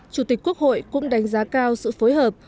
chủ tịch quốc hội cũng đánh giá cao sự phối hợp